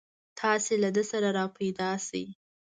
تاسې له ده سره راپیدا شئ.